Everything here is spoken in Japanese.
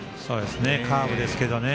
カーブですけどね。